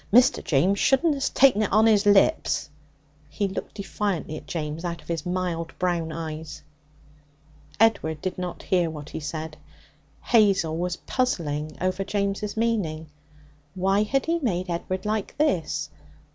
Mr. James shouldna ha' taken it on his lips.' He looked defiantly at James out of his mild brown eyes. Edward did not hear what he said. Hazel was puzzling over James' meaning. Why had he made Edward like this?